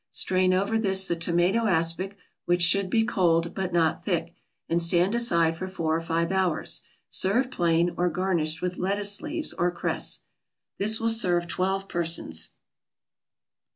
Strain over this the tomato aspic, which should be cold, but not thick, and stand aside for four or five hours. Serve plain, or garnished with lettuce leaves or cress. This will serve twelve persons.